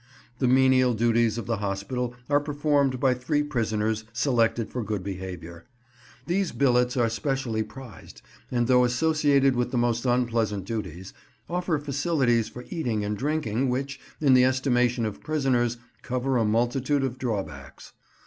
The menial duties of the hospital are performed by three prisoners selected for good behaviour. These billets are specially prized, and though associated with the most unpleasant duties, offer facilities for eating and drinking which, in the estimation of prisoners, cover a multitude of drawbacks.